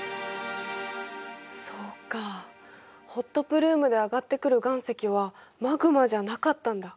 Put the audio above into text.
そっかホットプルームで上がってくる岩石はマグマじゃなかったんだ。